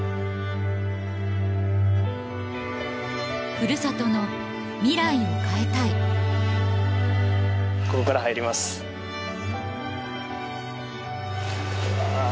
ふるさとの未来を変えたいここから入りますああ